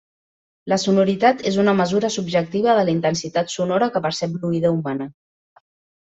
La sonoritat és una mesura subjectiva de la intensitat sonora que percep l'oïda humana.